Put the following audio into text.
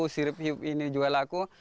sirip hiu ini juga laku